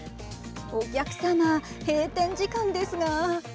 お客様、閉店時間ですが。